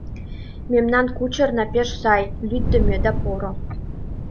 Мемнан кучерна пеш сай, лӱддымӧ да поро.